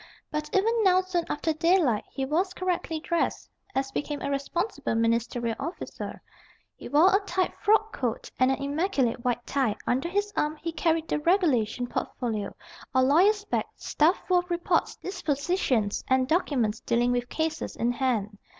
But even now, soon after daylight, he was correctly dressed, as became a responsible ministerial officer. He wore a tight frock coat and an immaculate white tie; under his arm he carried the regulation portfolio, or lawyer's bag, stuffed full of reports, dispositions, and documents dealing with cases in hand.